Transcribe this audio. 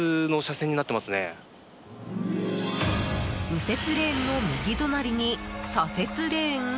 右折レーンの右隣に左折レーン？